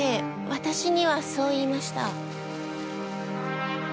私にはそう言いました。